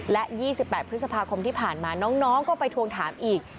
และ๒๘พฤษภาคมที่ผ่านมาน้องก็ไปทวงถามอีก